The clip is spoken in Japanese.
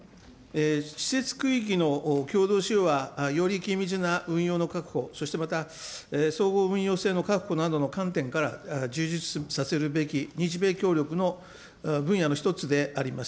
施設区域の共同使用は、より緊密な運用の確保、そしてまた総合運用性の確保などの観点から、充実させるべき日米協力の分野の一つであります。